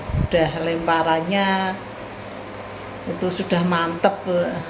sudah lemparannya itu sudah mantep